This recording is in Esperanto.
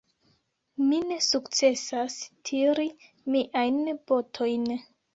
Mi ne sukcesas tiri miajn botojn.